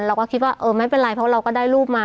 เราก็คิดว่าเออไม่เป็นไรเพราะเราก็ได้รูปมา